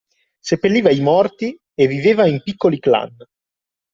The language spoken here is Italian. Seppelliva i morti e viveva in piccoli clan.